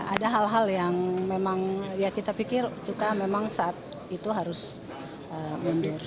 ada hal hal yang memang ya kita pikir kita memang saat itu harus mundur